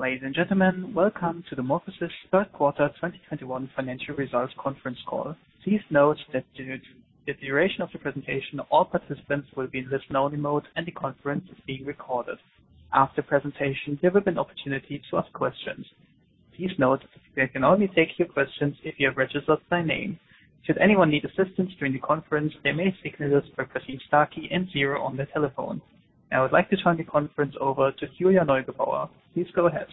Ladies and gentlemen, welcome to the MorphoSys third quarter 2021 financial results conference call. Please note that due to the duration of the presentation, all participants will be in listen-only mode and the conference is being recorded. After the presentation, there will be an opportunity to ask questions. Please note that we can only take your questions if you have registered by name. Should anyone need assistance during the conference, they may speak to us by pressing star key and zero on their telephone. I would like to turn the conference over to Julia Neugebauer. Please go ahead.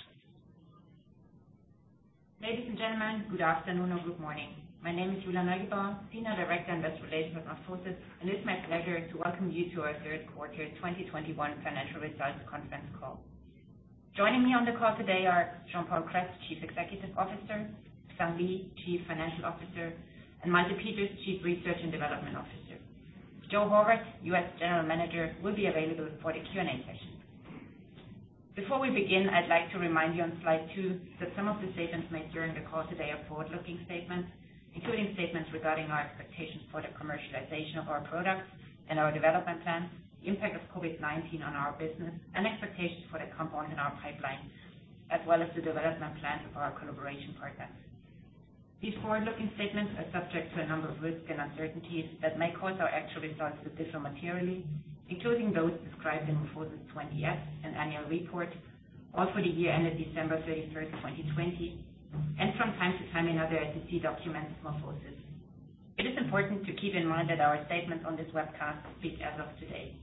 Ladies and gentlemen, good afternoon or good morning. My name is Julia Neugebauer, Senior Director Investor Relations with MorphoSys, and it's my pleasure to welcome you to our third quarter 2021 financial results conference call. Joining me on the call today are Jean-Paul Kress, Chief Executive Officer, Sung Lee, Chief Financial Officer, and Malte Peters, Chief Research and Development Officer. Joe Horvat, U.S. General Manager, will be available for the Q&A session. Before we begin, I'd like to remind you on slide 2 that some of the statements made during the call today are forward-looking statements, including statements regarding our expectations for the commercialization of our products and our development plans, the impact of COVID-19 on our business, and expectations for the components in our pipeline, as well as the development plans of our collaboration partners. These forward-looking statements are subject to a number of risks and uncertainties that may cause our actual results to differ materially, including those described in MorphoSys' 20-F and annual report for the year ended December 31, 2020, and from time to time in other SEC documents of MorphoSys. It is important to keep in mind that our statements on this webcast speak as of today.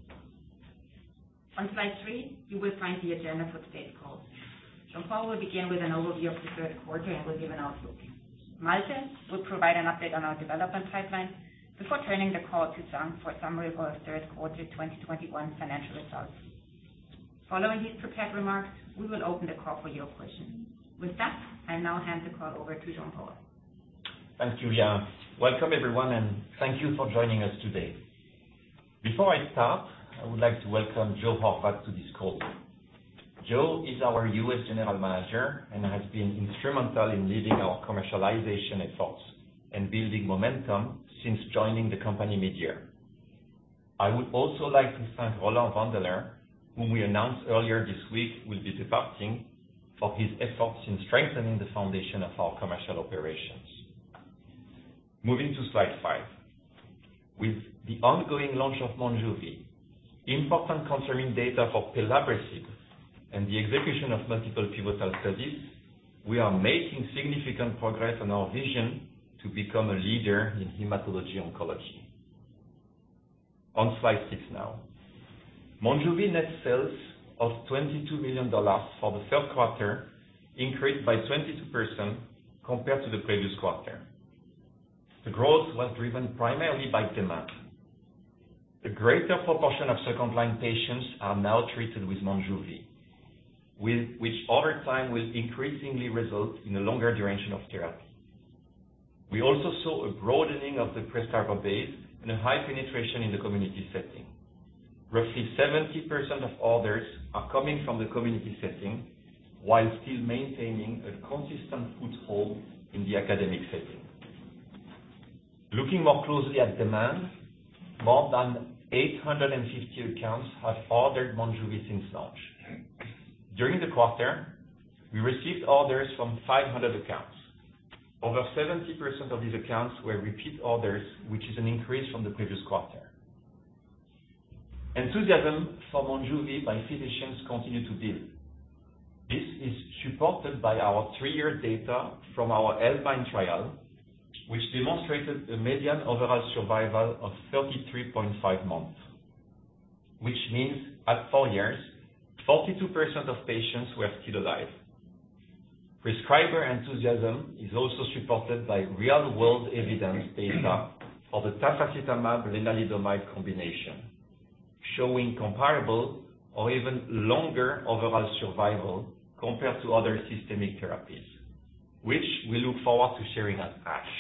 On slide 3, you will find the agenda for today's call. Jean-Paul will begin with an overview of the third quarter and will give an outlook. Malte will provide an update on our development timeline before turning the call to Sung for a summary of our third quarter 2021 financial results. Following these prepared remarks, we will open the call for your questions. With that, I'll now hand the call over to Jean-Paul. Thanks, Julia. Welcome everyone, and thank you for joining us today. Before I start, I would like to welcome Joe Horvat to this call. Joe is our U.S. General Manager and has been instrumental in leading our commercialization efforts and building momentum since joining the company mid-year. I would also like to thank Roland Wandeler, whom we announced earlier this week will be departing, for his efforts in strengthening the foundation of our commercial operations. Moving to slide five. With the ongoing launch of Monjuvi, important confirming data for pelabresib, and the execution of multiple pivotal studies, we are making significant progress on our vision to become a leader in hematology oncology. On slide six now. Monjuvi net sales of $22 million for the third quarter increased by 22% compared to the previous quarter. The growth was driven primarily by demand. The greater proportion of second-line patients are now treated with Monjuvi, which over time will increasingly result in a longer duration of therapy. We also saw a broadening of the prescriber base and a high penetration in the community setting. Roughly 70% of orders are coming from the community setting while still maintaining a consistent foothold in the academic setting. Looking more closely at demand, more than 850 accounts have ordered Monjuvi since launch. During the quarter, we received orders from 500 accounts. Over 70% of these accounts were repeat orders, which is an increase from the previous quarter. Enthusiasm for Monjuvi by physicians continued to build. This is supported by our three-year data from our Alpine trial, which demonstrated a median overall survival of 33.5 months, which means at four years 42% of patients were still alive. Prescriber enthusiasm is also supported by real world evidence data for the tafasitamab lenalidomide combination, showing comparable or even longer overall survival compared to other systemic therapies, which we look forward to sharing at ASH.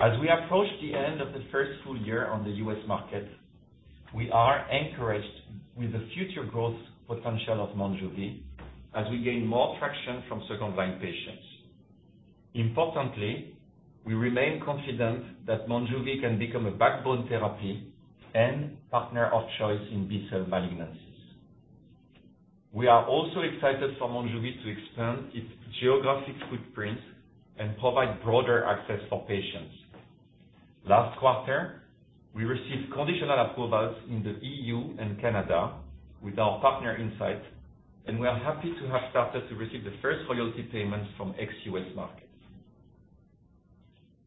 As we approach the end of the first full year on the U.S. market, we are encouraged with the future growth potential of Monjuvi as we gain more traction from second-line patients. Importantly, we remain confident that Monjuvi can become a backbone therapy and partner of choice in B-cell malignancies. We are also excited for Monjuvi to expand its geographic footprint and provide broader access for patients. Last quarter, we received conditional approvals in the EU and Canada with our partner, Incyte, and we are happy to have started to receive the first royalty payments from ex-U.S. markets.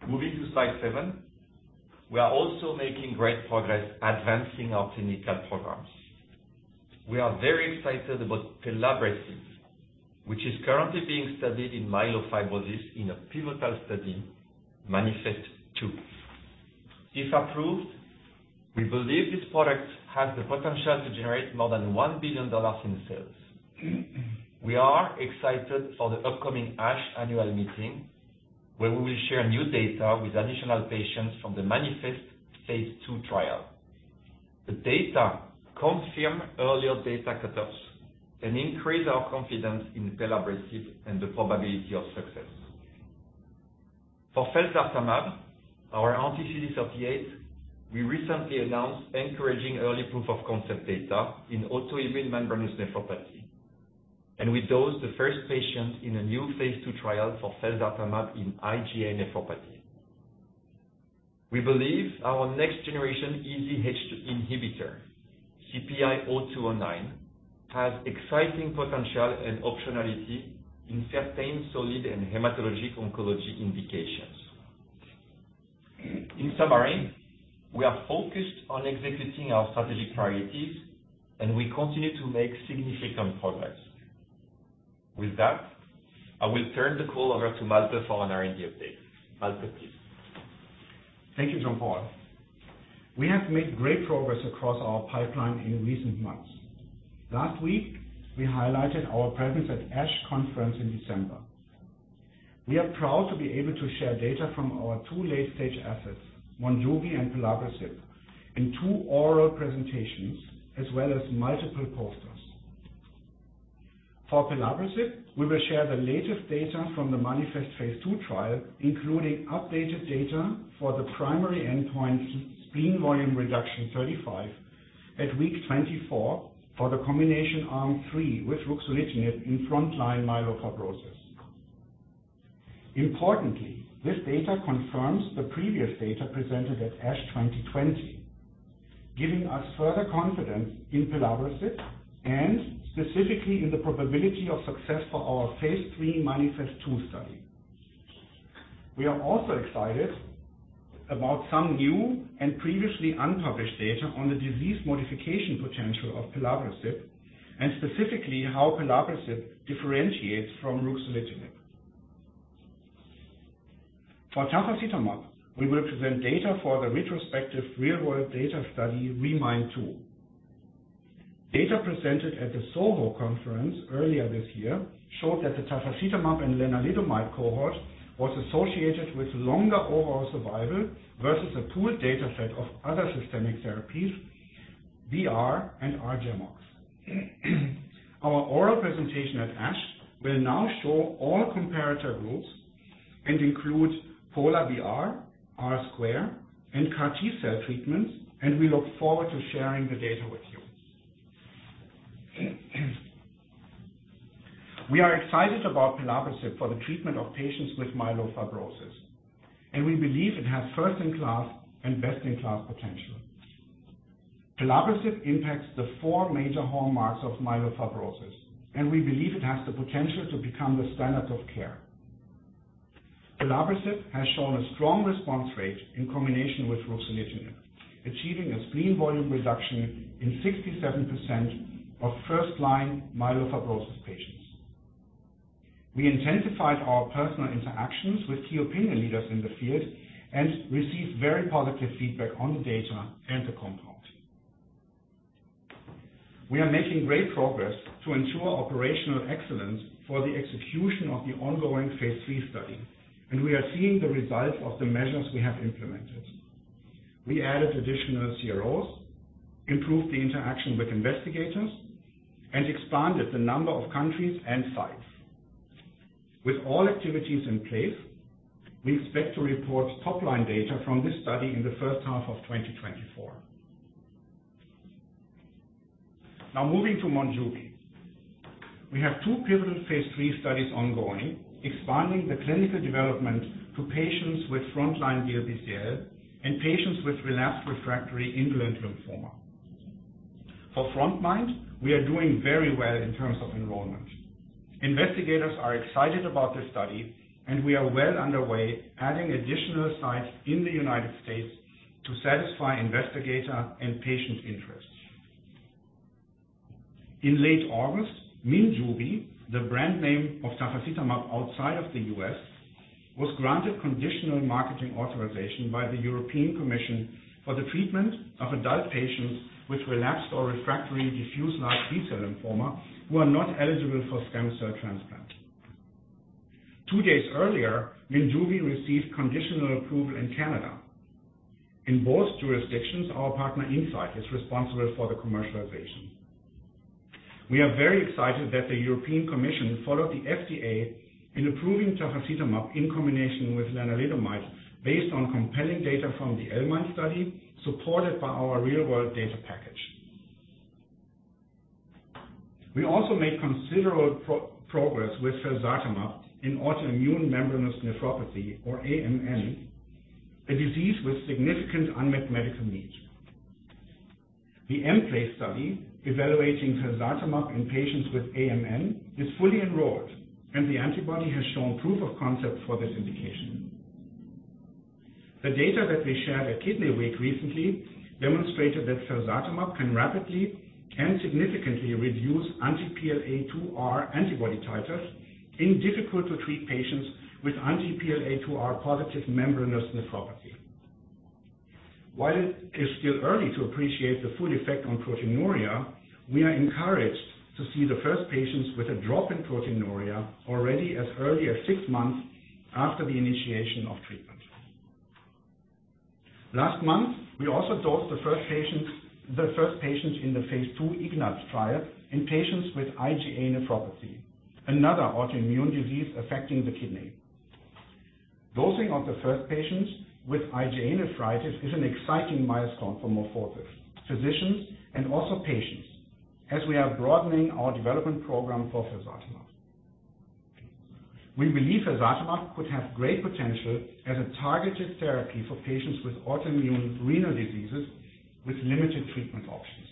Moving to slide seven. We are also making great progress advancing our clinical programs. We are very excited about pelabresib, which is currently being studied in myelofibrosis in a pivotal study, MANIFEST-2. If approved, we believe this product has the potential to generate more than $1 billion in sales. We are excited for the upcoming ASH annual meeting where we will share new data with additional patients from the MANIFEST phase II trial. The data confirm earlier data cutoffs and increase our confidence in pelabresib and the probability of success. For felzartamab, our anti-CD38, we recently announced encouraging early proof of concept data in autoimmune membranous nephropathy. We dosed the first patient in a new phase II trial for felzartamab in IgA nephropathy. We believe our next generation EZH2 inhibitor, CPI-0209, has exciting potential and optionality in certain solid and hematologic oncology indications. In summary, we are focused on executing our strategic priorities, and we continue to make significant progress. With that, I will turn the call over to Malte for an R&D update. Malte, please. Thank you, Jean-Paul. We have made great progress across our pipeline in recent months. Last week, we highlighted our presence at ASH conference in December. We are proud to be able to share data from our two late-stage assets, Monjuvi and pelabresib, in two oral presentations, as well as multiple posters. For pelabresib, we will share the latest data from the MANIFEST phase II trial, including updated data for the primary endpoint spleen volume reduction 35 at week 24 for the combination Arm 3 with ruxolitinib in frontline myelofibrosis. Importantly, this data confirms the previous data presented at ASH 2020, giving us further confidence in pelabresib, and specifically in the probability of success for our phase III MANIFEST-2 study. We are also excited about some new and previously unpublished data on the disease modification potential of pelabresib, and specifically how pelabresib differentiates from ruxolitinib. For tafasitamab, we will present data for the retrospective real-world data study RE-MIND2. Data presented at the SOHO conference earlier this year showed that the tafasitamab and lenalidomide cohort was associated with longer overall survival versus a pooled data set of other systemic therapies, BR and R-GemOx. Our oral presentation at ASH will now show all comparator rules and include Pola-BR, R Square, and CAR T-cell treatments, and we look forward to sharing the data with you. We are excited about pelabresib for the treatment of patients with myelofibrosis, and we believe it has first-in-class and best-in-class potential. Pelabresib impacts the four major hallmarks of myelofibrosis, and we believe it has the potential to become the standard of care. Pelabresib has shown a strong response rate in combination with ruxolitinib, achieving a spleen volume reduction in 67% of first-line myelofibrosis patients. We intensified our personal interactions with key opinion leaders in the field and received very positive feedback on the data and the compound. We are making great progress to ensure operational excellence for the execution of the ongoing phase III study, and we are seeing the results of the measures we have implemented. We added additional CROs, improved the interaction with investigators, and expanded the number of countries and sites. With all activities in place, we expect to report top-line data from this study in the first half of 2024. Now moving to Monjuvi. We have two pivotal phase III studies ongoing, expanding the clinical development to patients with frontline DLBCL and patients with relapsed refractory indolent lymphoma. For frontline, we are doing very well in terms of enrollment. Investigators are excited about this study, and we are well underway adding additional sites in the United States to satisfy investigator and patient interests. In late August, Minjuvi, the brand name of tafasitamab outside of the U.S., was granted conditional marketing authorization by the European Commission for the treatment of adult patients with relapsed or refractory diffuse large B-cell lymphoma who are not eligible for stem cell transplant. Two days earlier, Minjuvi received conditional approval in Canada. In both jurisdictions, our partner Incyte is responsible for the commercialization. We are very excited that the European Commission followed the FDA in approving tafasitamab in combination with lenalidomide based on compelling data from the L-MIND study, supported by our real-world data package. We also made considerable progress with felzartamab in autoimmune membranous nephropathy, or aMN, a disease with significant unmet medical need. The M-PLACE study evaluating felzartamab in patients with aMN is fully enrolled, and the antibody has shown proof of concept for this indication. The data that we shared at Kidney Week recently demonstrated that felzartamab can rapidly and significantly reduce anti-PLA2R antibody titers in difficult to treat patients with anti-PLA2R positive membranous nephropathy. While it is still early to appreciate the full effect on proteinuria, we are encouraged to see the first patients with a drop in proteinuria already as early as six months after the initiation of treatment. Last month, we also dosed the first patients in the phase II IGNAZ trial in patients with IgA nephropathy, another autoimmune disease affecting the kidney. Dosing of the first patients with IgA nephropathy is an exciting milestone for MorphoSys, physicians, and also patients, as we are broadening our development program for felzartamab. We believe felzartamab could have great potential as a targeted therapy for patients with autoimmune renal diseases with limited treatment options.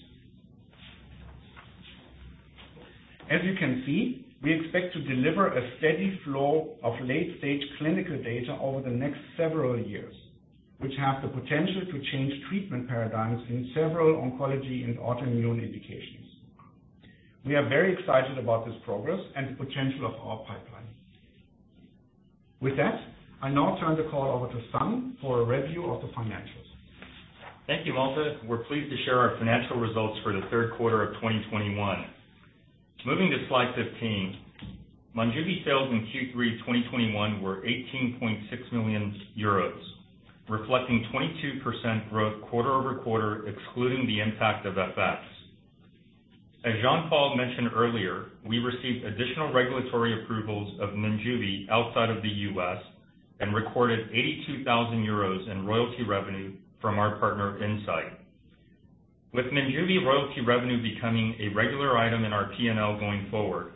As you can see, we expect to deliver a steady flow of late-stage clinical data over the next several years, which have the potential to change treatment paradigms in several oncology and autoimmune indications. We are very excited about this progress and the potential of our pipeline. With that, I now turn the call over to Sung for a review of the financials. Thank you, Malte. We're pleased to share our financial results for the third quarter of 2021. Moving to slide 15, Monjuvi sales in Q3 2021 were 18.6 million euros, reflecting 22% growth quarter-over-quarter, excluding the impact of FX. As Jean-Paul mentioned earlier, we received additional regulatory approvals of Monjuvi outside of the U.S. and recorded 82,000 euros in royalty revenue from our partner, Incyte. With Monjuvi royalty revenue becoming a regular item in our PNL going forward,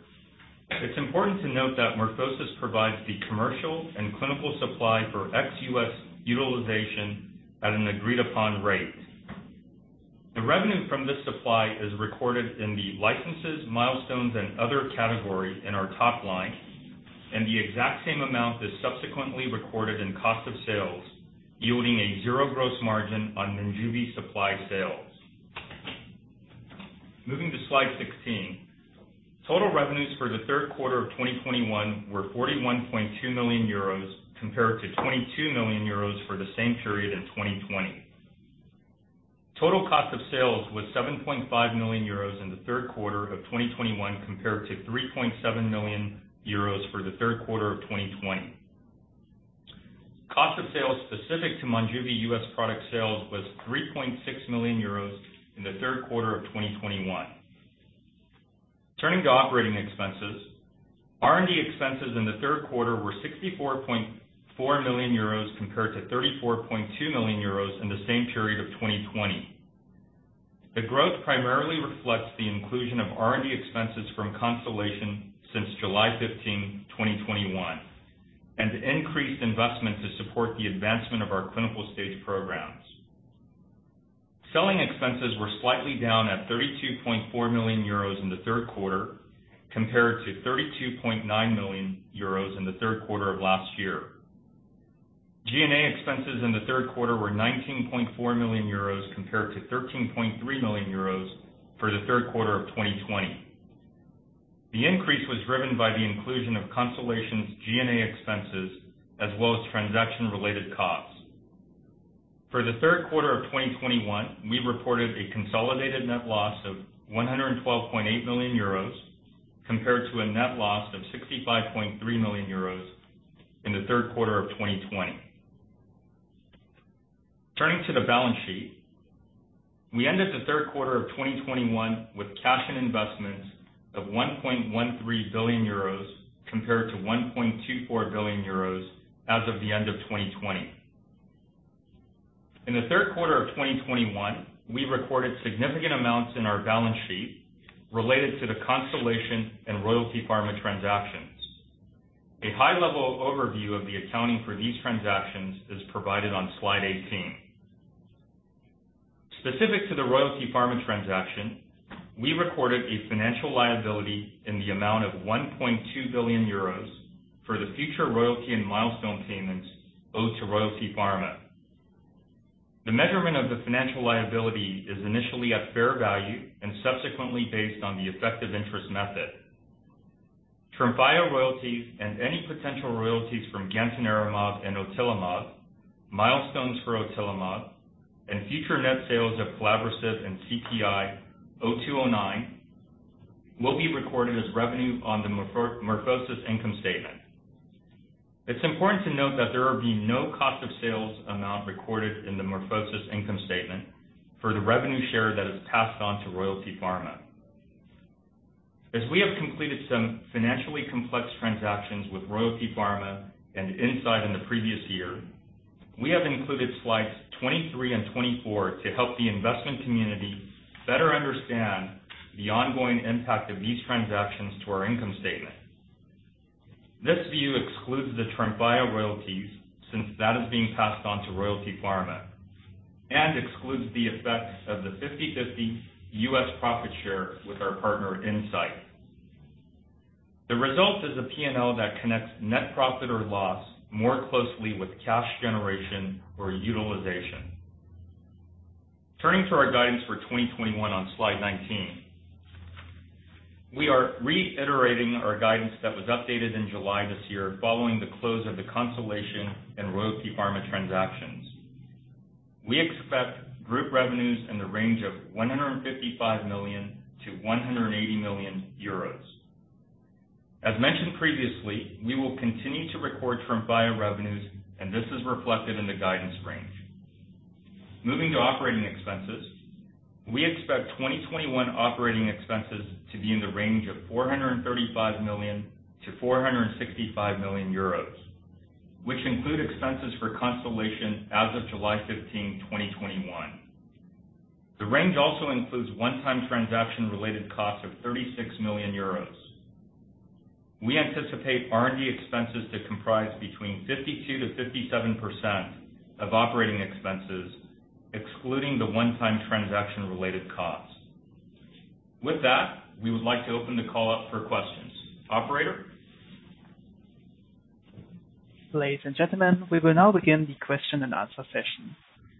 it's important to note that MorphoSys provides the commercial and clinical supply for ex-U.S. utilization at an agreed upon rate. The revenue from this supply is recorded in the licenses, milestones, and other category in our top line, and the exact same amount is subsequently recorded in cost of sales, yielding a zero gross margin on Monjuvi supply sales. Moving to slide 16. Total revenues for the third quarter of 2021 were 41.2 million euros compared to 22 million euros for the same period in 2020. Total cost of sales was 7.5 million euros in the third quarter of 2021 compared to 3.7 million euros for the third quarter of 2020. Cost of sales specific to Monjuvi US product sales was 3.6 million euros in the third quarter of 2021. Turning to operating expenses. R&D expenses in the third quarter were 64.4 million euros compared to 34.2 million euros in the same period of 2020. The growth primarily reflects the inclusion of R&D expenses from Constellation since July 15, 2021, and increased investment to support the advancement of our clinical-stage programs. Selling expenses were slightly down at 32.4 million euros in the third quarter compared to 32.9 million euros in the third quarter of last year. G&A expenses in the third quarter were 19.4 million euros compared to 13.3 million euros for the third quarter of 2020. The increase was driven by the inclusion of Constellation's G&A expenses as well as transaction-related costs. For the third quarter of 2021, we reported a consolidated net loss of 112.8 million euros compared to a net loss of 65.3 million euros in the third quarter of 2020. Turning to the balance sheet. We ended the third quarter of 2021 with cash and investments of 1.13 billion euros compared to 1.24 billion euros as of the end of 2020. In the third quarter of 2021, we recorded significant amounts in our balance sheet related to the Constellation and Royalty Pharma transactions. A high-level overview of the accounting for these transactions is provided on slide 18. Specific to the Royalty Pharma transaction, we recorded a financial liability in the amount of 1.2 billion euros for the future royalty and milestone payments owed to Royalty Pharma. The measurement of the financial liability is initially at fair value and subsequently based on the effective interest method. Tremfya royalties and any potential royalties from gantenerumab and otilimab, milestones for otilimab, and future net sales of felzartamab and CPI-0209 will be recorded as revenue on the MorphoSys income statement. It's important to note that there will be no cost of sales amount recorded in the MorphoSys income statement for the revenue share that is passed on to Royalty Pharma. As we have completed some financially complex transactions with Royalty Pharma and Incyte in the previous year, we have included slides 23 and 24 to help the investment community better understand the ongoing impact of these transactions to our income statement. This view excludes the Tremfya royalties since that is being passed on to Royalty Pharma and excludes the effects of the 50/50 US profit share with our partner, Incyte. The result is a PNL that connects net profit or loss more closely with cash generation or utilization. Turning to our guidance for 2021 on slide 19. We are reiterating our guidance that was updated in July this year following the close of the Constellation and Royalty Pharma transactions. We expect group revenues in the range of 155 million-180 million euros. As mentioned previously, we will continue to record from bio revenues, and this is reflected in the guidance range. Moving to operating expenses. We expect 2021 operating expenses to be in the range of 435 million-465 million euros, which include expenses for Constellation as of July 15, 2021. The range also includes one-time transaction related costs of 36 million euros. We anticipate R&D expenses to comprise 52%-57% of operating expenses, excluding the one-time transaction related costs. With that, we would like to open the call up for questions. Operator. Ladies and gentlemen, we will now begin the question-and-answer session.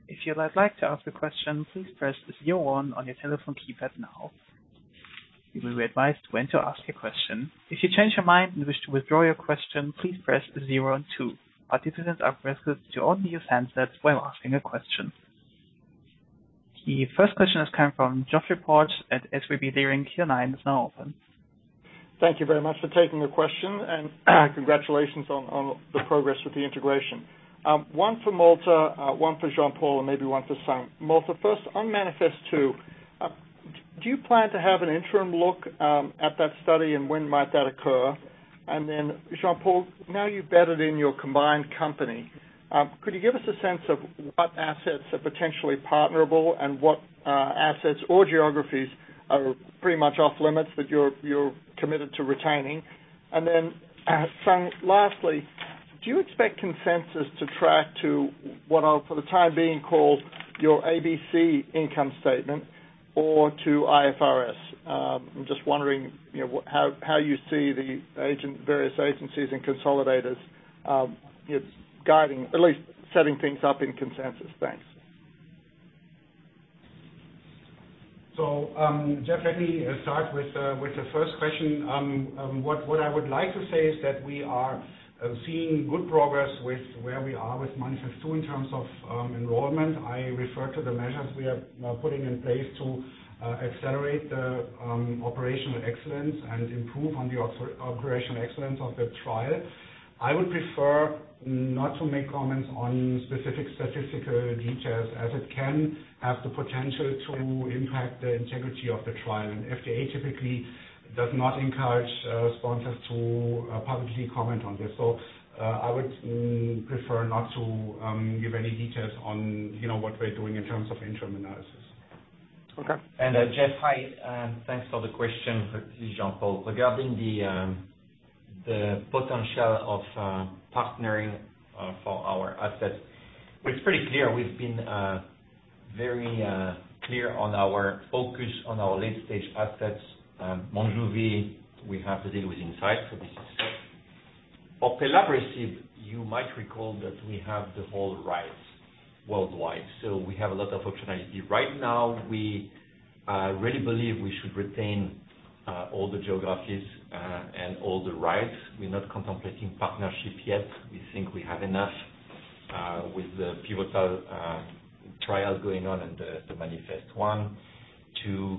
If you would like to ask a question, please press zero on your telephone keypad now. You will be advised when to ask your question. If you change your mind and wish to withdraw your question, please press zero and two. Participants are requested to only use handsets while asking a question. The first question is coming from Geoffrey Porges at SVB Leerink. Your line is now open. Thank you very much for taking the question and congratulations on the progress with the integration. One for Malte, one for Jean-Paul, and maybe one for Sung. Malte, first, on MANIFEST-2, do you plan to have an interim look at that study, and when might that occur? Then Jean-Paul, now you're bedded in your combined company, could you give us a sense of what assets are potentially partnerable and what assets or geographies are pretty much off-limits that you're committed to retaining? Then, Sung, lastly, do you expect consensus to track to what I'll, for the time being, call your ABC income statement or to IFRS? I'm just wondering, you know, what how you see the rating agencies and consolidators, you know, guiding, at least setting things up in consensus. Thanks. Geoff, let me start with the first question. What I would like to say is that we are seeing good progress with where we are with MANIFEST-2 in terms of enrollment. I refer to the measures we are, you know, putting in place to accelerate the operational excellence and improve on the operational excellence of the trial. I would prefer not to make comments on specific statistical details as it can have the potential to impact the integrity of the trial. FDA typically does not encourage sponsors to publicly comment on this. I would prefer not to give any details on, you know, what we're doing in terms of interim analysis. Okay. Geoff, hi, thanks for the question. This is Jean-Paul. Regarding the potential of partnering for our assets, it's pretty clear we've been very clear on our focus on our late-stage assets. Monjuvi, we have the deal with Incyte, so this is set. For pelabresib, you might recall that we have the whole rights worldwide, so we have a lot of optionality. Right now, we really believe we should retain all the geographies and all the rights. We're not contemplating partnership yet. We think we have enough with the pivotal trial going on and the MANIFEST-1 to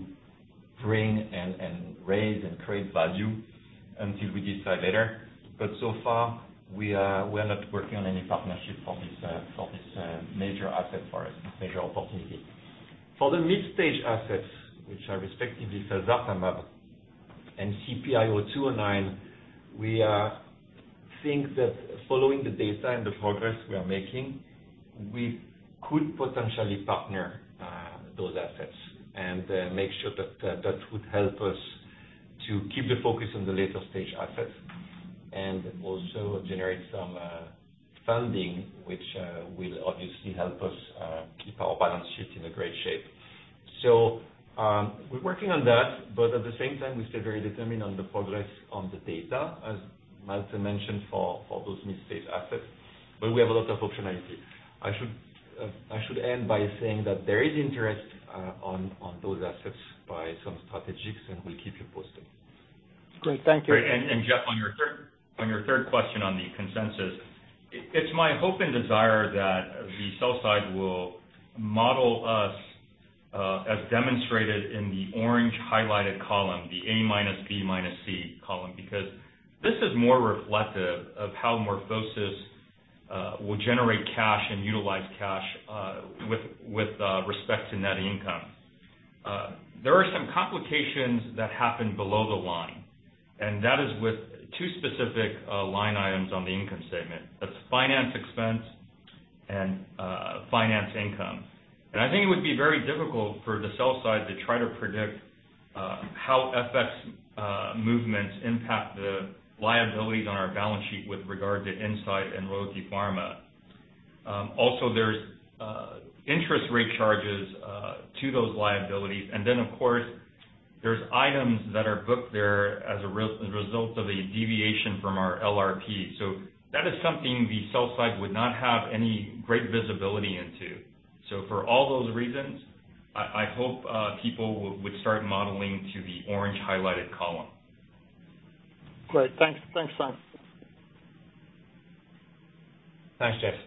bring and raise and create value until we decide later. So far, we are not working on any partnership for this major asset for us, this major opportunity. For the mid-stage assets, which are respectively felzartamab and CPI-0209, we think that following the data and the progress we are making, we could potentially partner those assets and make sure that that would help us to keep the focus on the later stage assets and also generate some funding, which will obviously help us keep our balance sheet in a great shape. We're working on that, but at the same time, we stay very determined on the progress on the data, as Malte mentioned, for those mid-stage assets. We have a lot of optionality. I should end by saying that there is interest on those assets by some strategics, and we'll keep you posted. Great. Thank you. Geoff, on your third question on the consensus, it's my hope and desire that the sell side will model us, as demonstrated in the orange highlighted column, the A minus B minus C column, because this is more reflective of how MorphoSys will generate cash and utilize cash, with respect to net income. There are some complications that happen below the line, and that is with two specific line items on the income statement. That's finance expense and finance income. I think it would be very difficult for the sell side to try to predict how FX movements impact the liabilities on our balance sheet with regard to Incyte and Royalty Pharma. Also, there's interest rate charges to those liabilities. Of course, there's items that are booked there as a result of a deviation from our LRP. That is something the sell side would not have any great visibility into. For all those reasons, I hope people would start modeling to the orange highlighted column. Great. Thanks. Thanks, Sung. Thanks, Geoff.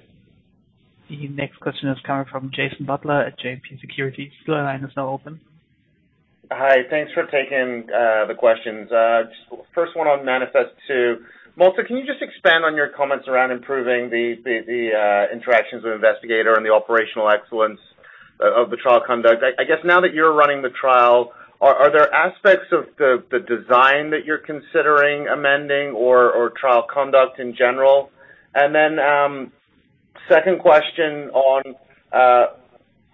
The next question is coming from Jason Butler at JMP Securities. Your line is now open. Hi. Thanks for taking the questions. First one on MANIFEST-2. Malte, can you just expand on your comments around improving the interactions with investigators and the operational excellence of the trial conduct? I guess now that you're running the trial, are there aspects of the design that you're considering amending or trial conduct in general? Second question on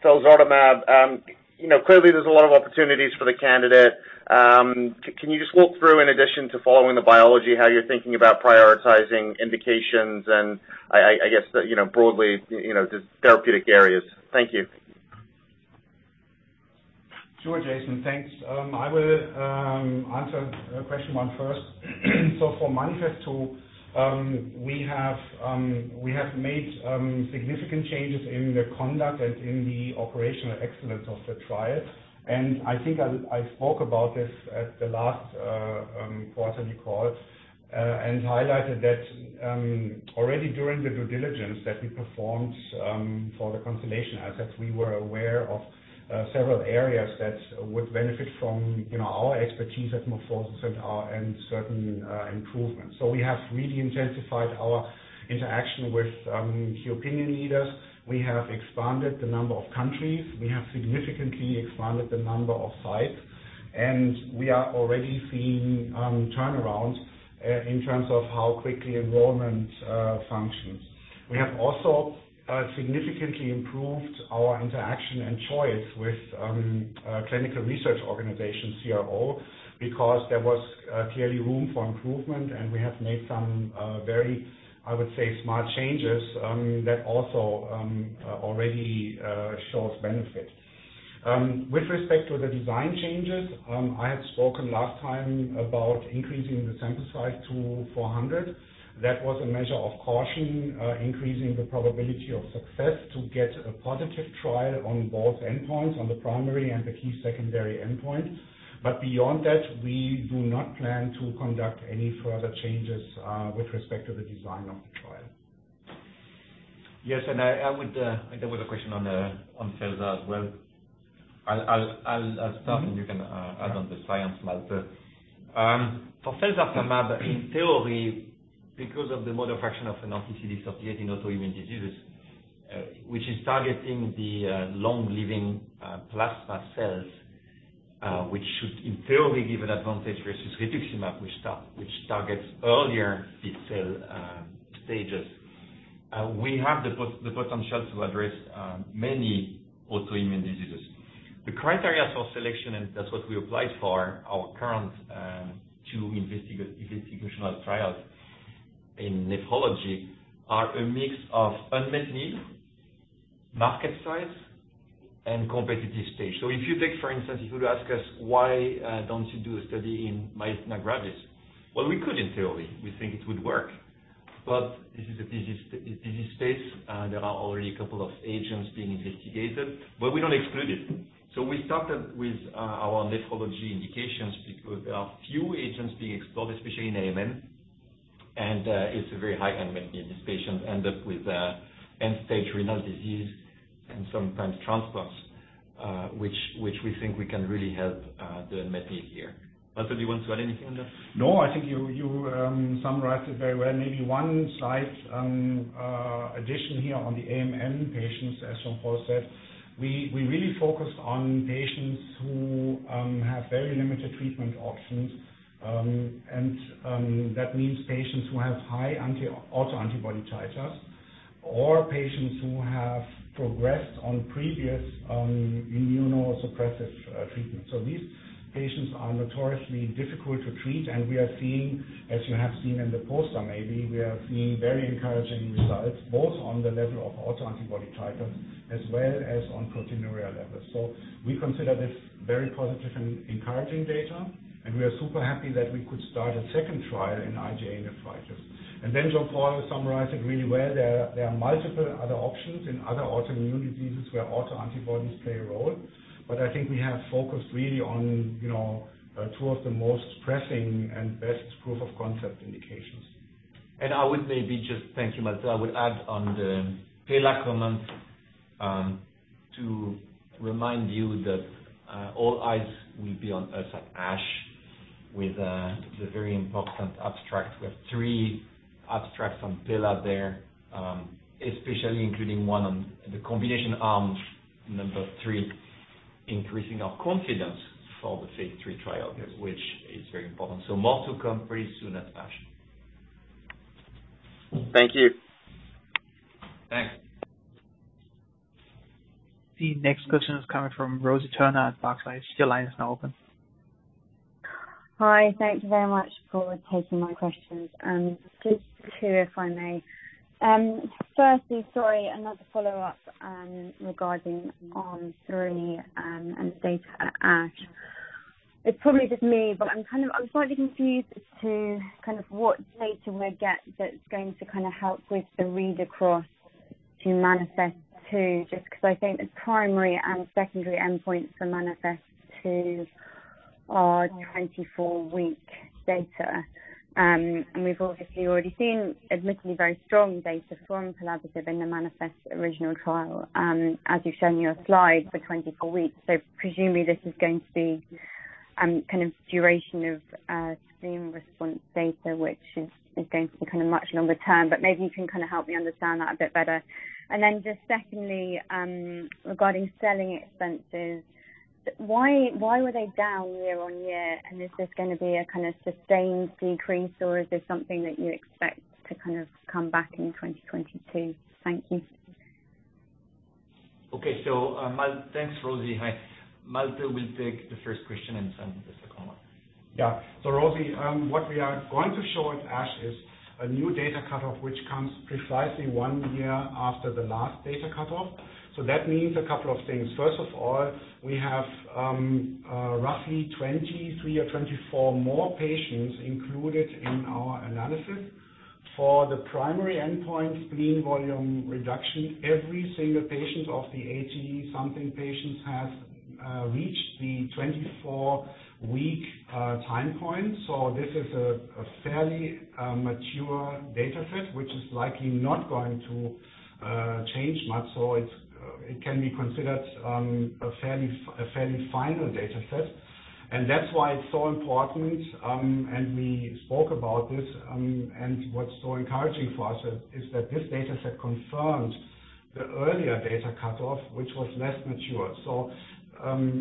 felzartamab. You know, clearly there's a lot of opportunities for the candidate. Can you just walk through, in addition to following the biology, how you're thinking about prioritizing indications and I guess the, you know, broadly, you know, just therapeutic areas. Thank you. Sure, Jason. Thanks. I will answer question one first. For MANIFEST-2, we have made significant changes in the conduct and in the operational excellence of the trial. I think I spoke about this at the last quarterly call and highlighted that already during the due diligence that we performed for the Constellation assets, we were aware of several areas that would benefit from, you know, our expertise at MorphoSys and certain improvements. We have really intensified our interaction with key opinion leaders. We have expanded the number of countries. We have significantly expanded the number of sites, and we are already seeing turnaround in terms of how quickly enrollment functions. We have also significantly improved our interaction and choice with a clinical research organization, CRO, because there was clearly room for improvement, and we have made some very, I would say, smart changes that also already shows benefit. With respect to the design changes, I had spoken last time about increasing the sample size to 400. That was a measure of caution, increasing the probability of success to get a positive trial on both endpoints, on the primary and the key secondary endpoint. Beyond that, we do not plan to conduct any further changes with respect to the design of the trial. Yes, I think there was a question on felzartamab as well. I'll start- Mm-hmm. You can add on the science, Malte. For felzartamab, in theory, because of the mode of action of anti-CD38 associated autoimmune diseases, which is targeting the long-living plasma cells, which should ideally give an advantage versus rituximab, which targets earlier B cell stages. We have the potential to address many autoimmune diseases. The criteria for selection, and that's what we applied for our current two investigational trials in nephrology, are a mix of unmet need, market size, and competitive stage. If you take for instance, if you would ask us why don't you do a study in myasthenia gravis. Well, we could in theory. We think it would work. This is a disease state, there are already a couple of agents being investigated, but we don't exclude it. We started with our nephrology indications because there are few agents being explored, especially in aMN. It's a very high unmet need. These patients end up with end-stage renal disease and sometimes transplants, which we think we can really help the unmet need here. Malte, do you want to add anything on that? No, I think you summarized it very well. Maybe one slight addition here on the aMN patients, as Jean-Paul said, we really focused on patients who have very limited treatment options. That means patients who have high autoantibody titers or patients who have progressed on previous immunosuppressive treatment. These patients are notoriously difficult to treat, and we are seeing, as you have seen in the poster, maybe we are seeing very encouraging results, both on the level of autoantibody titers as well as on proteinuria levels. We consider this very positive and encouraging data, and we are super happy that we could start a second trial in IgA nephritis. Jean-Paul summarized it really well. There are multiple other options in other autoimmune diseases where autoantibodies play a role. I think we have focused really on you know, two of the most pressing and best proof of concept indications. Thank you, Malte. I would add on the PELA comment, to remind you that, all eyes will be on us at ASH with the very important abstract. We have three abstracts on PELA there, especially including one on the combination arms, Arm 3, increasing our confidence for the phase III trial, which is very important. More to come pretty soon at ASH. Thank you. Thanks. The next question is coming from Rosie Turner at Barclays. Your line is now open. Hi. Thank you very much for taking my questions. Just two, if I may. Firstly, sorry, another follow-up, regarding Arm 3 and data at ASH. It's probably just me, but I'm slightly confused as to what data we'll get that's going to help with the read-across to MANIFEST-2, just 'cause I think the primary and secondary endpoints for MANIFEST-2 are 24-week data. We've obviously already seen admittedly very strong data from combination in the MANIFEST-1 original trial, as you've shown in your slides for 24 weeks. Presumably, this is going to be kind of duration of spleen response data, which is going to be kinda much longer term, but maybe you can kinda help me understand that a bit better. Just secondly, regarding selling expenses, why were they down year-on-year? Is this gonna be a kinda sustained decrease or is this something that you expect to kind of come back in 2022? Thank you. Okay. Thanks, Rosie. Hi. Malte will take the first question, and then Sung the second one. Yeah. Rosie, what we are going to show at ASH is a new data cutoff, which comes precisely one year after the last data cutoff. That means a couple of things. First of all, we have roughly 23 or 24 more patients included in our analysis. For the primary endpoint, spleen volume reduction, every single patient of the 80-something patients have reached the 24-week time point. This is a fairly mature data set, which is likely not going to change much. It can be considered a fairly final data set. That's why it's so important, and we spoke about this, and what's so encouraging for us is that this data set confirms the earlier data cutoff, which was less mature.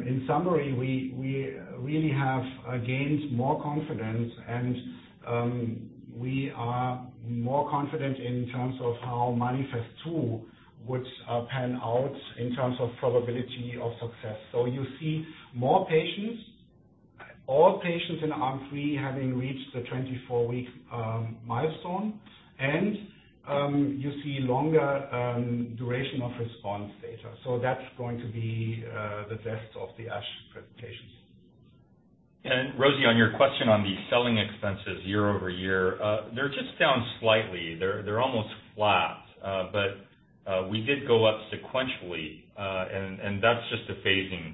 In summary, we really have gained more confidence and we are more confident in terms of how MANIFEST-2 would pan out in terms of probability of success. You see more patients, all patients in Arm 3 having reached the 24-week milestone, and you see longer duration of response data. That's going to be the best of the ASH presentation. Rosie, on your question on the selling expenses year over year, they're just down slightly. They're almost flat. But we did go up sequentially, and that's just a phasing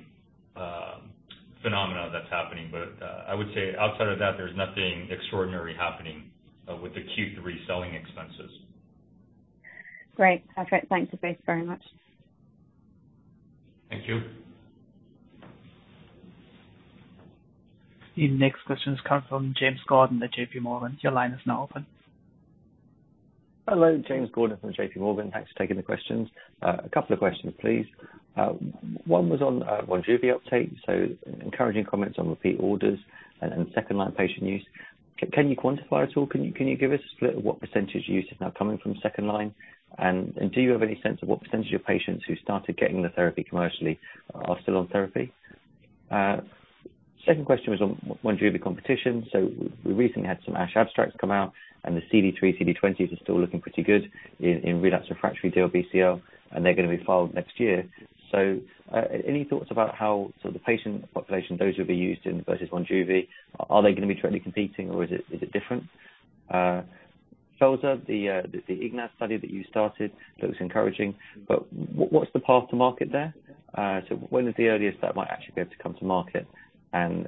phenomena that's happening. But I would say outside of that, there's nothing extraordinary happening with the Q3 selling expenses. Great. Perfect. Thank you both very much. Thank you. The next question is coming from James Gordon at JP Morgan. Your line is now open. Hello. James Gordon from JP Morgan. Thanks for taking the questions. A couple of questions, please. One was on Monjuvi uptake, so encouraging comments on repeat orders and second-line patient use. Can you quantify at all? Can you give us a split of what percentage use is now coming from second line? And do you have any sense of what percentage of patients who started getting the therapy commercially are still on therapy? Second question was on Monjuvi competition. We recently had some ASH abstracts come out, and the CD3/CD20s are still looking pretty good in relapsed/refractory DLBCL, and they're gonna be filed next year. Any thoughts about how sort of the patient population those will be used in versus Monjuvi? Are they gonna be directly competing or is it different? Felzartamab, the IGNAZ study that you started that was encouraging, but what's the path to market there? So when is the earliest that might actually be able to come to market? And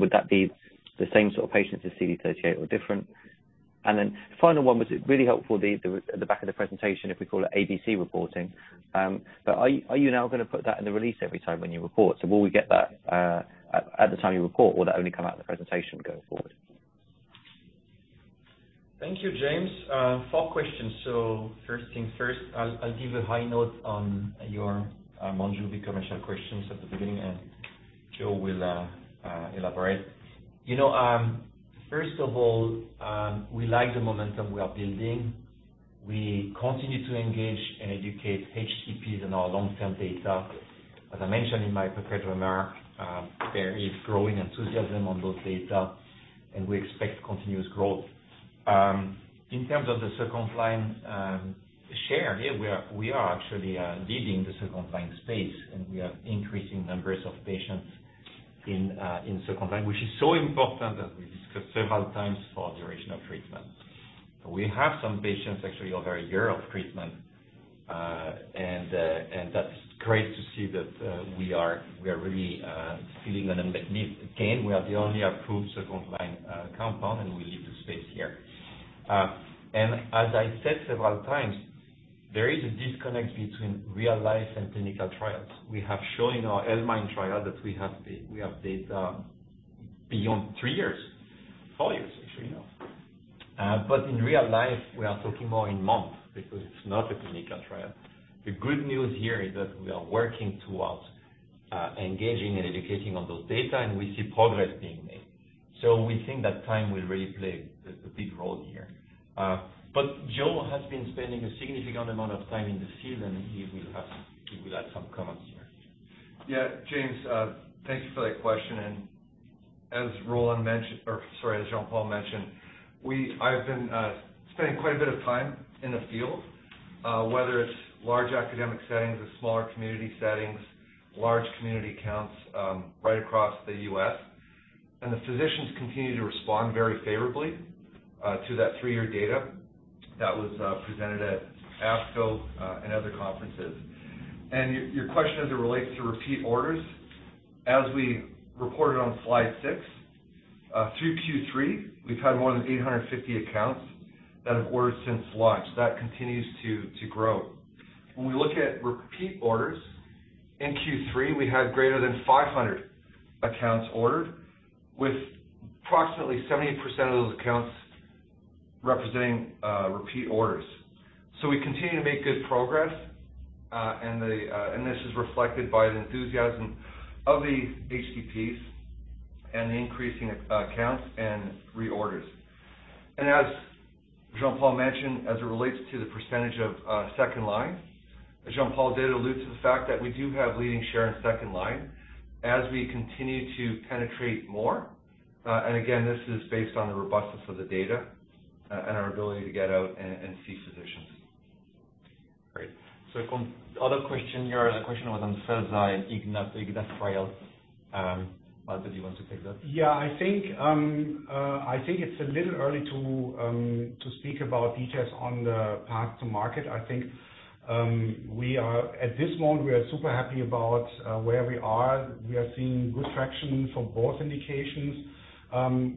would that be the same sort of patients as CD38 or different? And then final one was really helpful, the back of the presentation, if we call it ABC reporting. But are you now gonna put that in the release every time when you report? So will we get that at the time you report or will that only come out in the presentation going forward? Thank you, James. Four questions. First things first, I'll give a high note on your Monjuvi commercial questions at the beginning, and Joe will elaborate. You know, first of all, we like the momentum we are building. We continue to engage and educate HCPs in our long-term data. As I mentioned in my prepared remark, there is growing enthusiasm on those data, and we expect continuous growth. In terms of the second-line share, yeah, we are actually leading the second-line space, and we have increasing numbers of patients in second line, which is so important that we discussed several times for duration of treatment. We have some patients actually over a year of treatment, and that's great to see that we are really feeling a unique gain. We are the only approved second-line compound, and we lead the space here. As I said several times, there is a disconnect between real life and clinical trials. We have shown in our L-MIND trial that we have data beyond three years, four years actually now. In real life, we are talking more in months because it's not a clinical trial. The good news here is that we are working towards engaging and educating on those data, and we see progress being made. We think that time will really play a big role here. Joe has been spending a significant amount of time in the field, and he will add some comments here. Yeah. James, thank you for that question. As Jean-Paul mentioned, I've been spending quite a bit of time in the field, whether it's large academic settings or smaller community settings, large community counts, right across the U.S. Physicians continue to respond very favorably to that three-year data that was presented at ASCO and other conferences. Your question as it relates to repeat orders, as we reported on slide 6, through Q3, we've had more than 850 accounts that have ordered since launch. That continues to grow. When we look at repeat orders, in Q3, we had greater than 500 accounts ordered, with approximately 70% of those accounts representing repeat orders. We continue to make good progress, and this is reflected by the enthusiasm of the HCPs and the increasing accounts and reorders. As Jean-Paul mentioned, as it relates to the percentage of second line, as Jean-Paul did allude to the fact that we do have leading share in second line as we continue to penetrate more. Again, this is based on the robustness of the data, and our ability to get out and see physicians. Great. Other question here, the question was on felzartamab and IGNAZ trial. Malte, do you want to take that? Yeah. I think it's a little early to speak about details on the path to market. I think at this moment we are super happy about where we are. We are seeing good traction for both indications.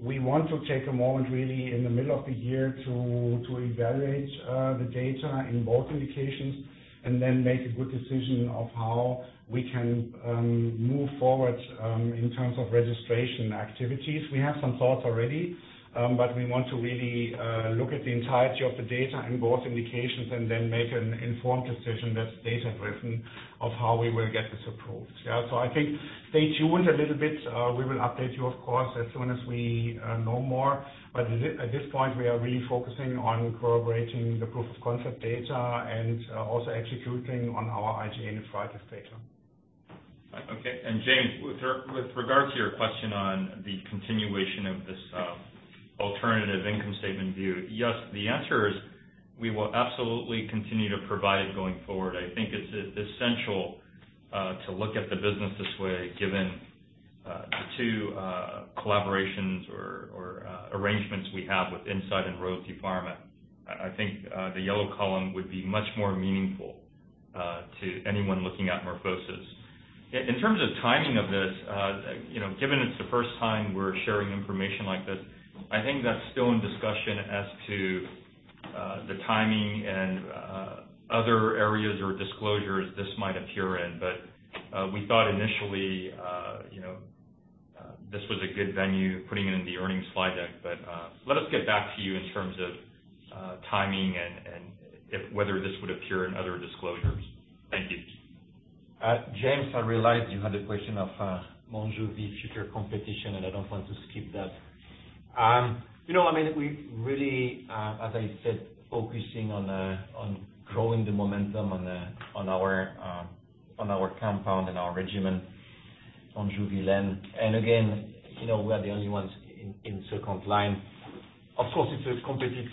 We want to take a moment really in the middle of the year to evaluate the data in both indications and then make a good decision of how we can move forward in terms of registration activities. We have some thoughts already, but we want to really look at the entirety of the data in both indications and then make an informed decision that's data-driven of how we will get this approved. Yeah. I think stay tuned a little bit. We will update you of course as soon as we know more. At this point, we are really focusing on corroborating the proof of concept data and also executing on our IGNAZ and TRIDENT data. Okay. James, with regard to your question on the continuation of this alternative income statement view. Yes, the answer is we will absolutely continue to provide it going forward. I think it's essential to look at the business this way, given the two collaborations or arrangements we have with Incyte and Roche Pharma. I think the yellow column would be much more meaningful to anyone looking at MorphoSys. In terms of timing of this, you know, given it's the first time we're sharing information like this, I think that's still in discussion as to the timing and other areas or disclosures this might appear in. But we thought initially, you know, this was a good venue, putting it in the earnings slide deck. Let us get back to you in terms of timing and whether this would appear in other disclosures. Thank you. James, I realized you had a question of Monjuvi future competition, and I don't want to skip that. You know, I mean, we really, as I said, focusing on growing the momentum on our compound and our regimen, Monjuvi-Len. Again, you know, we are the only ones in second line. Of course, it's a competitive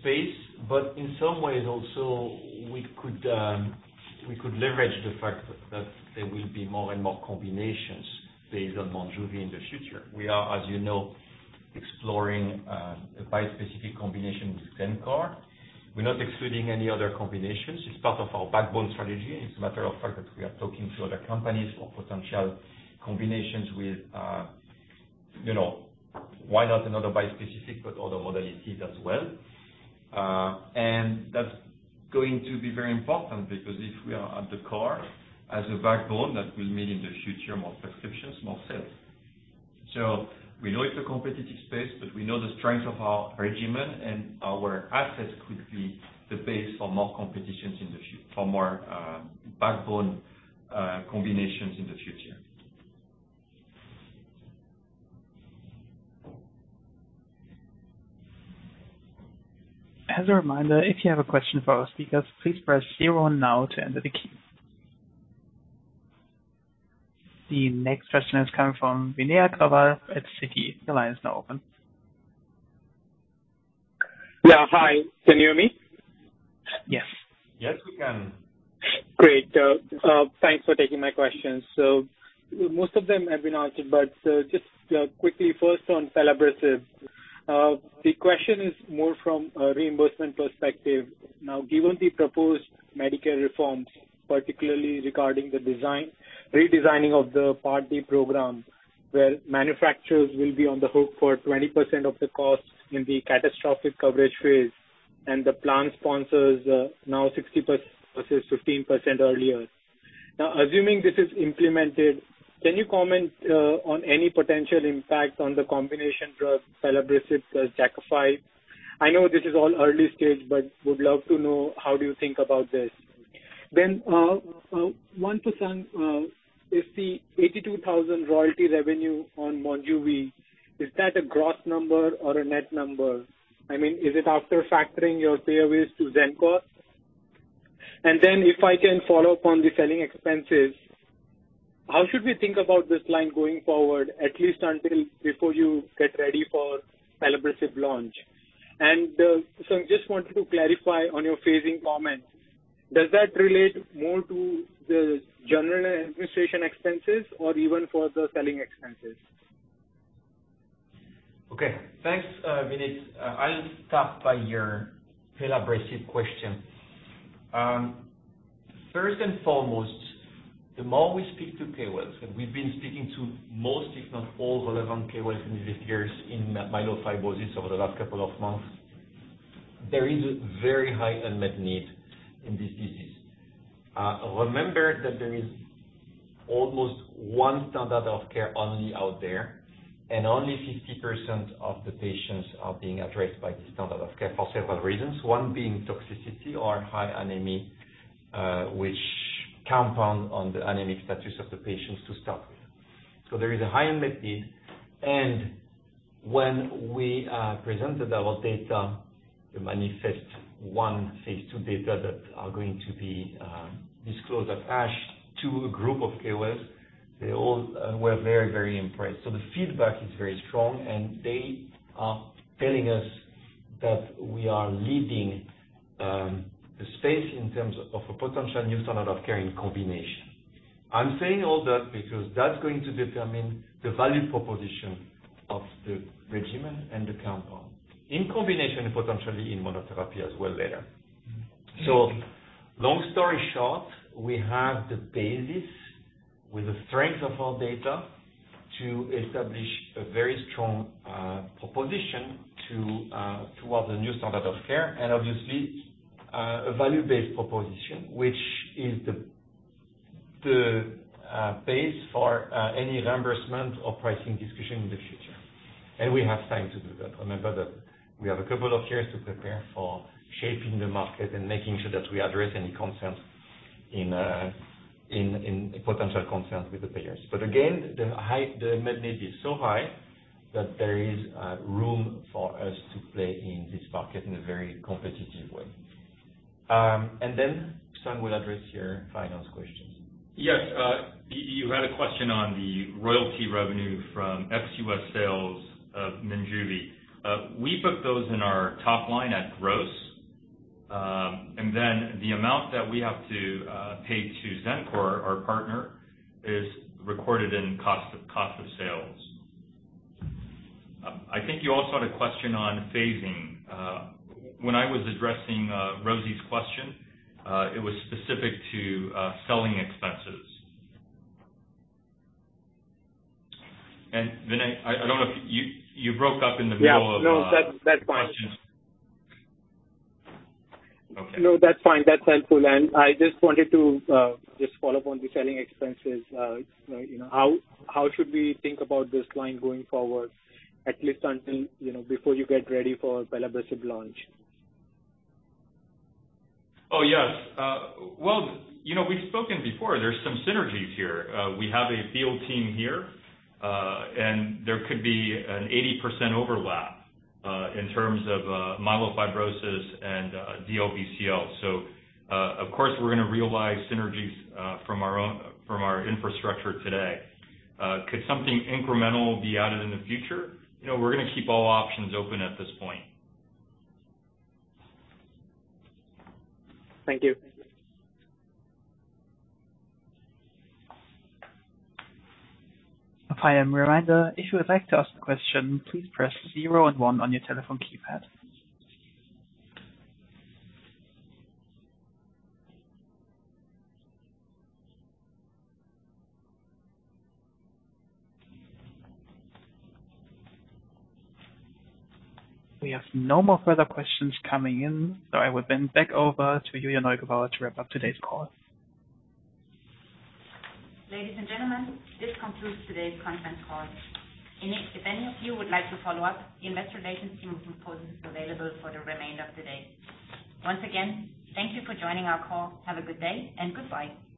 space, but in some ways also we could leverage the fact that there will be more and more combinations based on Monjuvi in the future. We are, as you know, exploring a bispecific combination with Xencor. We're not excluding any other combinations. It's part of our backbone strategy, and it's a matter of fact that we are talking to other companies for potential combinations with, you know, why not another bispecific, but other modalities as well. That's going to be very important because if we are at the core as a backbone, that will mean in the future more prescriptions, more sales. We know it's a competitive space, but we know the strength of our regimen and our assets could be the base for more backbone combinations in the future. As a reminder, if you have a question for our speakers, please press zero now to enter the queue. The next question is coming from Vineet Agrawal at Citi. Your line is now open. Yeah. Hi. Can you hear me? Yes. Yes, we can. Great. Thanks for taking my questions. Most of them have been answered, but just quickly first on pelabresib. The question is more from a reimbursement perspective. Given the proposed Medicare reforms, particularly regarding the redesigning of the Part D program, where manufacturers will be on the hook for 20% of the cost in the catastrophic coverage phase, and the plan sponsors now 60% versus 15% earlier. Assuming this is implemented, can you comment on any potential impact on the combination drug pelabresib, Jakafi? I know this is all early stage, but would love to know how do you think about this. Then, 1% is the $82,000 royalty revenue on Monjuvi, is that a gross number or a net number? I mean, is it after factoring your payment to Xencor? Then if I can follow up on the selling expenses, how should we think about this line going forward, at least until before you get ready for pelabresib launch? I just want to clarify on your phasing comment. Does that relate more to the general administration expenses or even for the selling expenses? Okay. Thanks, Vineet. I'll start with your pelabresib question. First and foremost, the more we speak to KOLs, and we've been speaking to most if not all relevant KOLs in the area of myelofibrosis over the last couple of months. There is very high unmet need in this disease. Remember that there is almost one standard of care only out there, and only 50% of the patients are being addressed by the standard of care for several reasons. One being toxicity or high anemia, which compound on the anemic status of the patients to start with. There is a high unmet need. When we present the development data, the MANIFEST-1 phase II data that are going to be disclosed at ASH to a group of KOLs, they all were very, very impressed. The feedback is very strong and they are telling us that we are leading the space in terms of a potential new standard of care in combination. I'm saying all that because that's going to determine the value proposition of the regimen and the compound in combination, potentially in monotherapy as well later. Long story short, we have the basis with the strength of our data to establish a very strong proposition toward the new standard of care and obviously a value-based proposition, which is the base for any reimbursement or pricing discussion in the future. We have time to do that. Remember that we have a couple of years to prepare for shaping the market and making sure that we address any potential concerns with the payers. The unmet need is so high that there is room for us to play in this market in a very competitive way. Sung will address your finance questions. Yes. You had a question on the royalty revenue from ex-US sales of Minjuvi. We book those in our top line at gross. Then the amount that we have to pay to Xencor, our partner, is recorded in cost of sales. I think you also had a question on phasing. When I was addressing Rosie's question, it was specific to selling expenses. Vineet, I don't know if you. You broke up in the middle of. Yeah. No, that's fine. Okay. No, that's fine. That's helpful. I just wanted to just follow up on the selling expenses. You know, how should we think about this line going forward, at least until, you know, before you get ready for pelabresib launch? Oh, yes. Well, you know, we've spoken before. There's some synergies here. We have a field team here, and there could be an 80% overlap in terms of myelofibrosis and DLBCL. Of course, we're gonna realize synergies from our infrastructure today. Could something incremental be added in the future? You know, we're gonna keep all options open at this point. Thank you. A final reminder, if you would like to ask a question, please press 0 and 1 on your telephone keypad. We have no more further questions coming in, so I will hand back over to Julia Neugebauer to wrap up today's call. Ladies and gentlemen, this concludes today's conference call. If any of you would like to follow up, the investor relations team will be available for the remainder of the day. Once again, thank you for joining our call. Have a good day and goodbye.